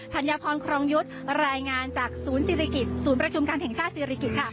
ธัญพรครองยุทธ์รายงานจากศูนย์ประชุมการแห่งชาติศิริกิตค่ะ